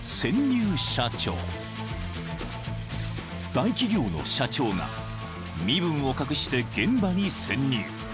［大企業の社長が身分を隠して現場に潜入］